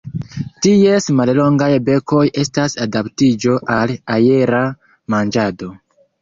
Ties mallongaj bekoj estas adaptiĝo al aera manĝado.